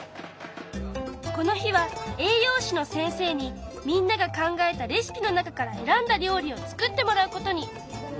この日は栄養士の先生にみんなが考えたレシピの中から選んだ料理を作ってもらうことに！